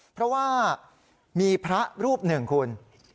เพราะว่ามีพระรูปหนึ่งคุณ